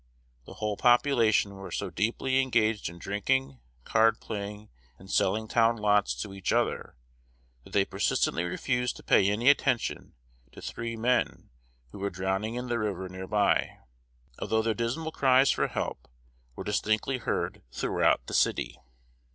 The whole population were so deeply engaged in drinking, card playing, and selling town lots to each other, that they persistently refused to pay any attention to three men who were drowning in the river near by, although their dismal cries for help were distinctly heard throughout the "city."